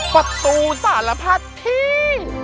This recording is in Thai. ประตูสารพัดที่